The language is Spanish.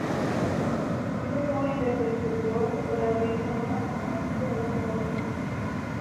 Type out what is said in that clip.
Este fue un intento infructuoso por abrir Japón al comercio con los Estados Unidos.